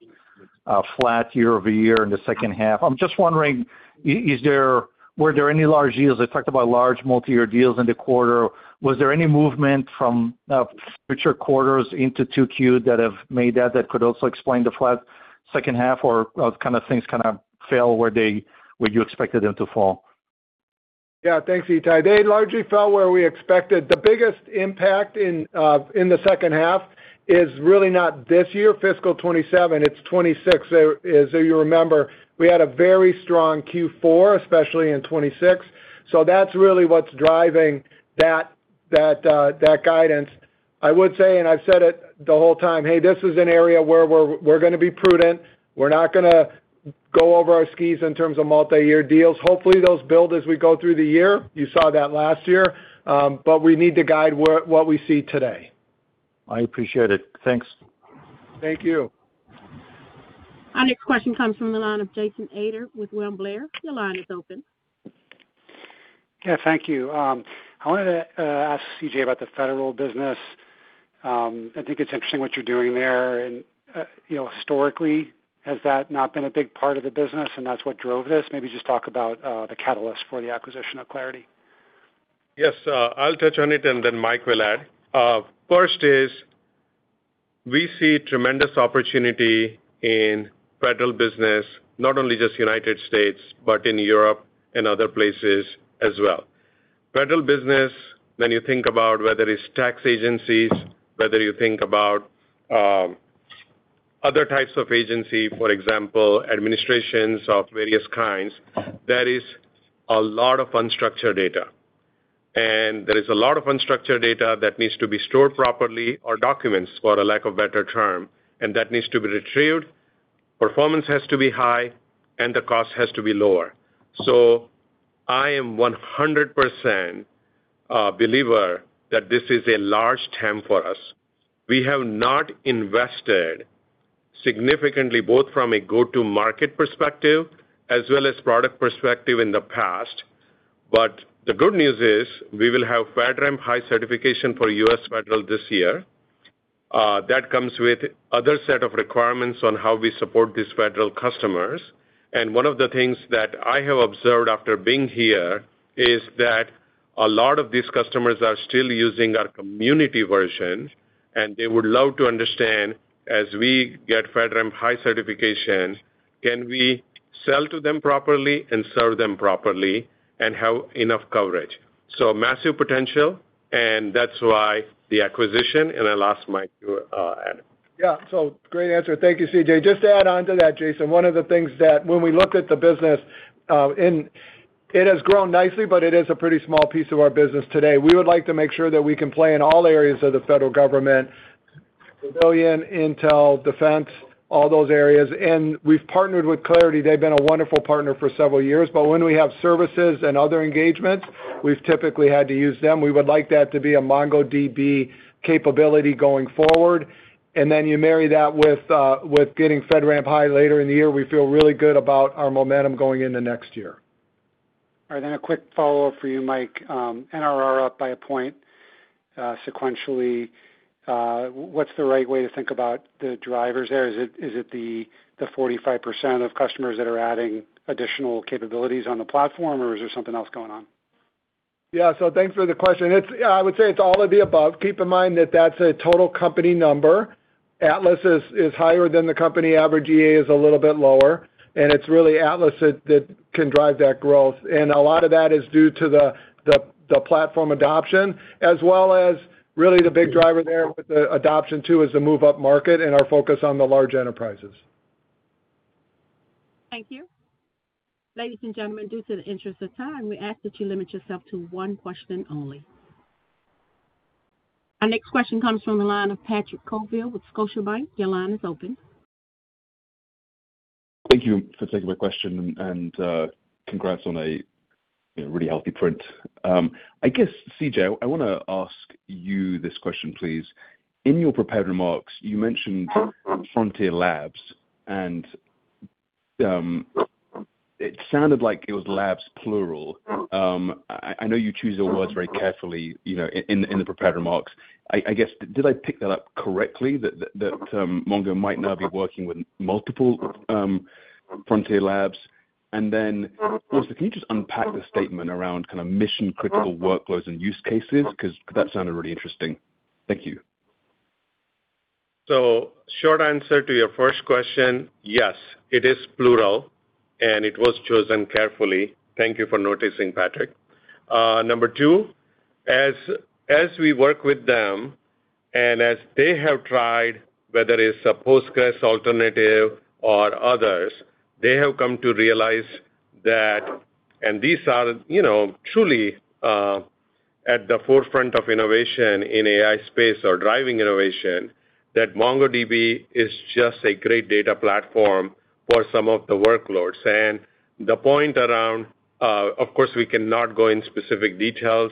a flat year-over-year in the second half. I'm just wondering, were there any large deals? I talked about large multi-year deals in the quarter. Was there any movement from richer quarters into 2Q that could also explain the flat second half or things fell where you expected them to fall? Yeah. Thanks, Ittai. They largely fell where we expected. The biggest impact in the second half is really not this year, fiscal 2027. It's 2026. As you remember, we had a very strong Q4, especially in 2026. That's really what's driving that guidance. I would say, and I've said it the whole time, "Hey, this is an area where we're going to be prudent. We're not going to go over our skis in terms of multi-year deals." Hopefully, those build as we go through the year. You saw that last year. We need to guide what we see today. I appreciate it. Thanks. Thank you. Our next question comes from the line of Jason Ader with William Blair. Your line is open. Yeah, thank you. I wanted to ask CJ about the federal business. I think it's interesting what you're doing there, and historically, has that not been a big part of the business and that's what drove this? Maybe just talk about the catalyst for the acquisition of Clarity. Yes. I'll touch on it and then Mike will add. First is we see tremendous opportunity in federal business, not only just U.S., but in Europe and other places as well. Federal business, when you think about whether it's tax agencies, whether you think about other types of agency, for example, administrations of various kinds, that is a lot of unstructured data. There is a lot of unstructured data that needs to be stored properly or documents, for a lack of better term, and that needs to be retrieved. Performance has to be high, and the cost has to be lower. I am 100% a believer that this is a large TAM for us. We have not invested significantly, both from a go-to-market perspective as well as product perspective in the past. The good news is we will have FedRAMP High certification for U.S. federal this year. That comes with other set of requirements on how we support these federal customers. One of the things that I have observed after being here is that a lot of these customers are still using our community version, and they would love to understand, as we get FedRAMP High certification, can we sell to them properly and serve them properly and have enough coverage? Massive potential, and that's why the acquisition. I'll ask Mike to add. Great answer. Thank you, CJ. Just to add onto that, Jason, one of the things that when we looked at the business it has grown nicely, but it is a pretty small piece of our business today. We would like to make sure that we can play in all areas of the federal government, civilian, intel, defense, all those areas. We've partnered with Clarity, they've been a wonderful partner for several years. When we have services and other engagements, we've typically had to use them. We would like that to be a MongoDB capability going forward. You marry that with getting FedRAMP High later in the year. We feel really good about our momentum going into next year. A quick follow-up for you, Mike. NRR up by a point sequentially. What's the right way to think about the drivers there? Is it the 45% of customers that are adding additional capabilities on the platform, or is there something else going on? Yeah. Thanks for the question. I would say it's all of the above. Keep in mind that that's a total company number. Atlas is higher than the company average, EA is a little bit lower, and it's really Atlas that can drive that growth. A lot of that is due to the platform adoption, as well as really the big driver there with the adoption too, is the move-up market and our focus on the large enterprises. Thank you. Ladies and gentlemen, due to the interest of time, we ask that you limit yourself to one question only. Our next question comes from the line of Patrick Colville with Scotiabank. Your line is open. Thank you for taking my question, and congrats on a really healthy print. I guess, CJ, I want to ask you this question, please. In your prepared remarks, you mentioned Frontier Labs, and it sounded like it was labs plural. I know you choose your words very carefully in the prepared remarks. I guess, did I pick that up correctly, that Mongo might now be working with multiple Frontier Labs? Can you just unpack the statement around kind of mission-critical workloads and use cases? That sounded really interesting. Thank you. Short answer to your first question, yes, it is plural and it was chosen carefully. Thank you for noticing, Patrick. Number two, as we work with them and as they have tried, whether it's a Postgres alternative or others, they have come to realize that, and these are truly at the forefront of innovation in AI space or driving innovation, that MongoDB is just a great data platform for some of the workloads. The point around, of course, we cannot go in specific details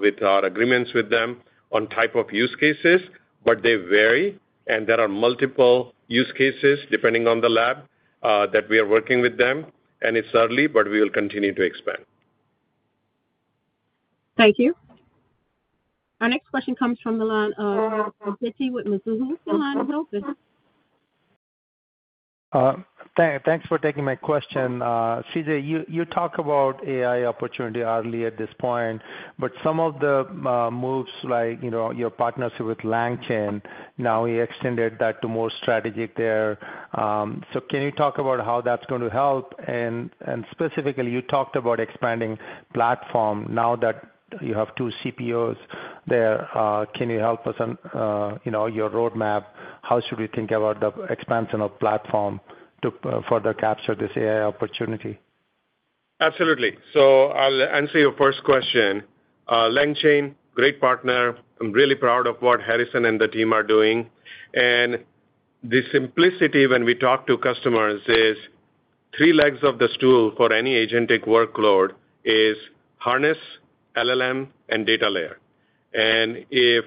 with our agreements with them on type of use cases, but they vary and there are multiple use cases depending on the lab that we are working with them, and it's early, but we will continue to expand. Thank you. Our next question comes from the line [inaudible] of with Mizuho. Thanks for taking my question. CJ, you talk about AI opportunity early at this point, but some of the moves like your partnership with LangChain, now you extended that to more strategic there. Can you talk about how that's going to help? Specifically, you talked about expanding platform now that you have two CPOs there. Can you help us on your roadmap? How should we think about the expansion of platform to further capture this AI opportunity? Absolutely. I'll answer your first question. LangChain, great partner. I'm really proud of what Harrison and the team are doing. The simplicity when we talk to customers is three legs of the stool for any agentic workload is harness, LLM, and data layer. If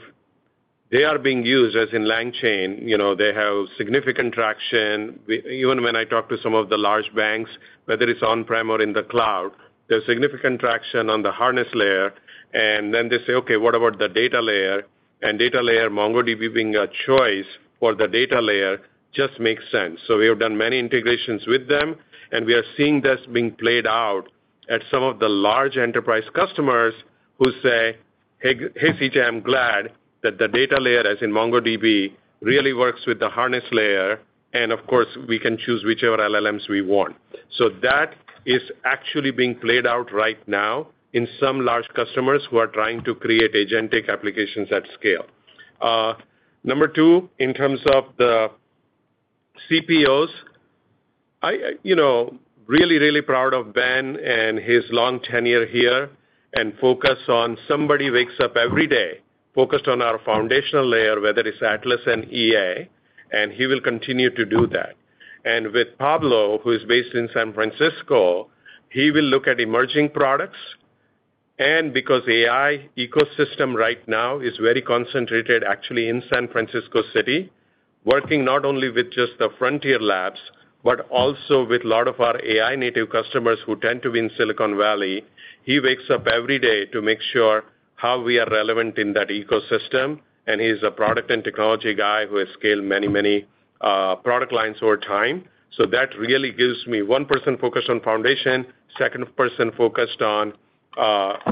they are being used as in LangChain, they have significant traction. Even when I talk to some of the large banks, whether it's on-prem or in the cloud, there's significant traction on the harness layer and then they say, "Okay, what about the data layer?" Data layer, MongoDB being a choice for the data layer just makes sense. We have done many integrations with them, and we are seeing this being played out at some of the large enterprise customers who say, "Hey, CJ, I'm glad that the data layer, as in MongoDB, really works with the harness layer. Of course we can choose whichever LLMs we want. That is actually being played out right now in some large customers who are trying to create agentic applications at scale. Number two, in terms of the CPOs, really proud of Ben and his long tenure here and focus on somebody wakes up every day focused on our foundational layer, whether it's Atlas and EA, he will continue to do that. With Pablo, who is based in San Francisco, he will look at emerging products, because AI ecosystem right now is very concentrated, actually in San Francisco City, working not only with just the Frontier Labs, but also with a lot of our AI native customers who tend to be in Silicon Valley. He wakes up every day to make sure how we are relevant in that ecosystem. He's a product and technology guy who has scaled many, many product lines over time. That really gives me one person focused on foundation, second person focused on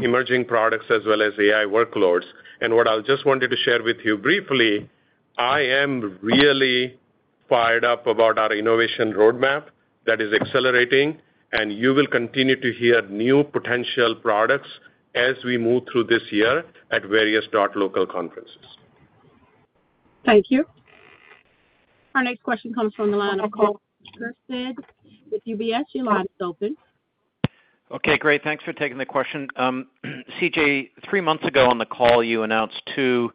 emerging products as well as AI workloads. What I just wanted to share with you briefly, I am really fired up about our innovation roadmap that is accelerating, and you will continue to hear new potential products as we move through this year at various .local conferences. Thank you. Our next question comes from the line of Karl Keirstead with UBS. Your line is open. Okay, great. Thanks for taking the question. CJ, three months ago on the call, you announced two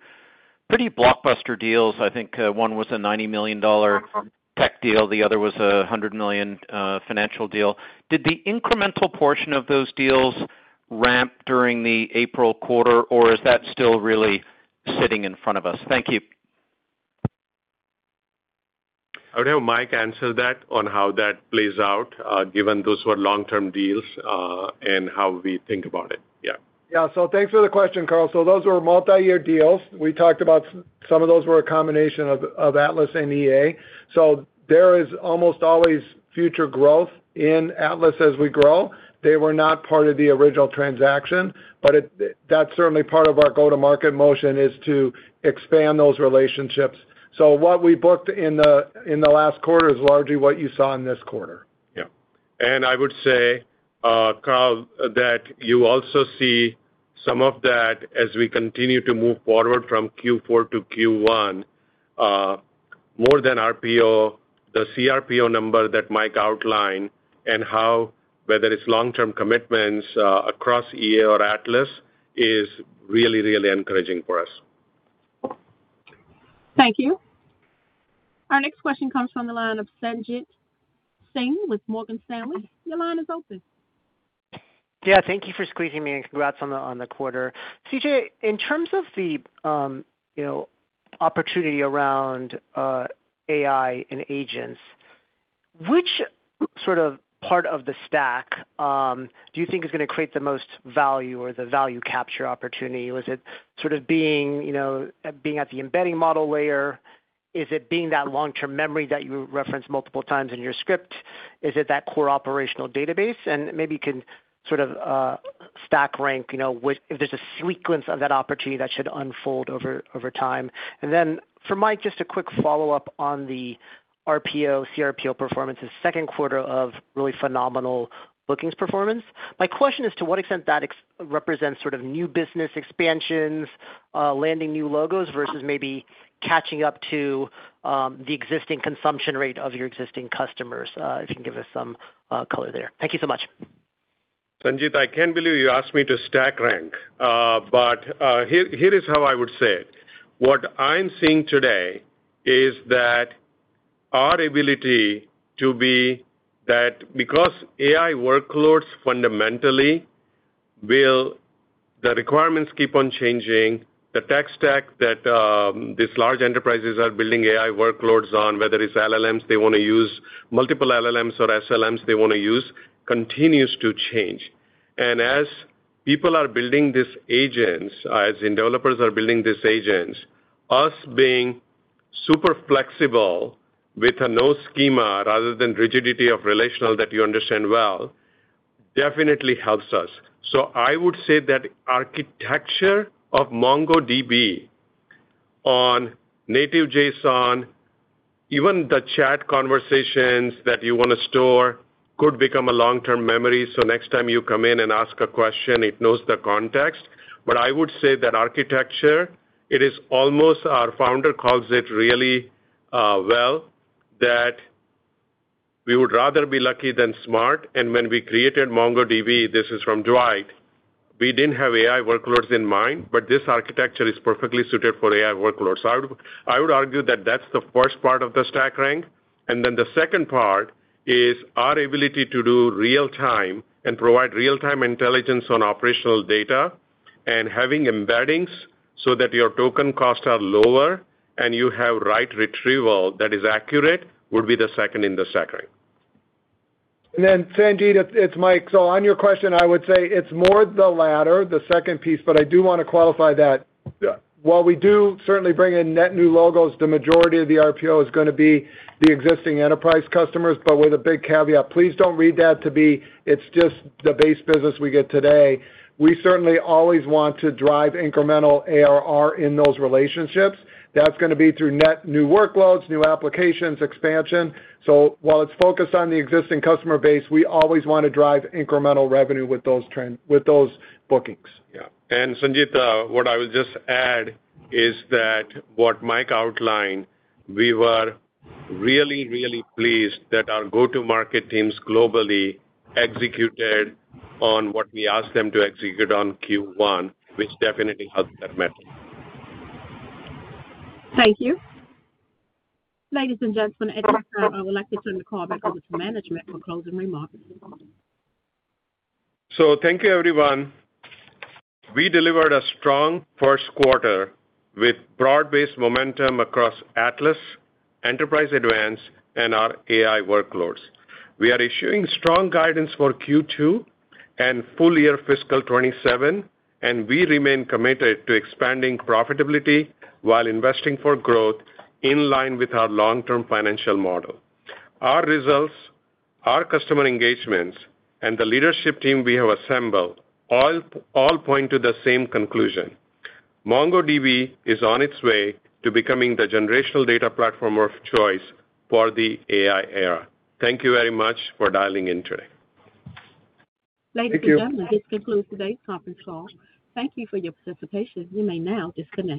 pretty blockbuster deals. I think one was a $90 million tech deal, the other was a $100 million financial deal. Did the incremental portion of those deals ramp during the April quarter, or is that still really sitting in front of us? Thank you. I would have Mike answer that on how that plays out, given those were long-term deals, and how we think about it. Yeah. Thanks for the question, Karl. Those were multi-year deals. We talked about some of those were a combination of Atlas and EA. There is almost always future growth in Atlas as we grow. They were not part of the original transaction, but that's certainly part of our go-to-market motion is to expand those relationships. What we booked in the last quarter is largely what you saw in this quarter. Yeah. I would say, Karl, that you also see some of that as we continue to move forward from Q4 to Q1. More than RPO, the CRPO number that Mike outlined and how whether it's long-term commitments across EA or Atlas is really encouraging for us. Thank you. Our next question comes from the line of Sanjit Singh with Morgan Stanley. Your line is open. Thank you for squeezing me in. Congrats on the quarter. CJ, in terms of the opportunity around AI and agents, which part of the stack do you think is going to create the most value or the value capture opportunity? Was it being at the embedding model layer? Is it being that long-term memory that you referenced multiple times in your script? Is it that core operational database? Maybe you can stack rank if there's a sequence of that opportunity that should unfold over time. Then for Mike, just a quick follow-up on the RPO, CRPO performance. It's second quarter of really phenomenal bookings performance. My question is to what extent that represents new business expansions, landing new logos versus maybe catching up to the existing consumption rate of your existing customers. If you can give us some color there. Thank you so much. Sanjit, I can't believe you asked me to stack rank. Here is how I would say it. What I'm seeing today is that our ability to be that because AI workloads fundamentally. The requirements keep on changing. The tech stack that these large enterprises are building AI workloads on, whether it's LLMs they want to use, multiple LLMs or SLMs they want to use, continues to change. As people are building these agents, as in developers are building these agents, us being super flexible with a no schema rather than rigidity of relational that you understand well, definitely helps us. I would say that architecture of MongoDB on native JSON, even the chat conversations that you want to store could become a long-term memory, so next time you come in and ask a question, it knows the context. I would say that architecture, it is almost our founder calls it really well, that we would rather be lucky than smart. When we created MongoDB, this is from Dwight, we didn't have AI workloads in mind, but this architecture is perfectly suited for AI workloads. I would argue that that's the first part of the stack rank. Then the second part is our ability to do real-time and provide real-time intelligence on operational data and having embeddings so that your token costs are lower and you have right retrieval that is accurate would be the second in the stack rank. Sanjit, it's Mike. On your question, I would say it's more the latter, the second piece, but I do want to qualify that. Yeah. While we do certainly bring in net new logos, the majority of the RPO is going to be the existing enterprise customers, with a big caveat. Please don't read that to be it's just the base business we get today. We certainly always want to drive incremental ARR in those relationships. That's going to be through net new workloads, new applications, expansion. While it's focused on the existing customer base, we always want to drive incremental revenue with those bookings. Yeah. Sanjit, what I would just add is that what Mike outlined, we were really, really pleased that our go-to-market teams globally executed on what we asked them to execute on Q1, which definitely helped that matter. Thank you. Ladies and gentlemen, at this time, I would like to turn the call back over to management for closing remarks. Thank you, everyone. We delivered a strong first quarter with broad-based momentum across Atlas, Enterprise Advanced, and our AI workloads. We are issuing strong guidance for Q2 and full year fiscal 2027. We remain committed to expanding profitability while investing for growth in line with our long-term financial model. Our results, our customer engagements, and the leadership team we have assembled all point to the same conclusion. MongoDB is on its way to becoming the generational data platform of choice for the AI era. Thank you very much for dialing in today. Thank you. Ladies and gentlemen, this concludes today's conference call. Thank you for your participation. You may now disconnect.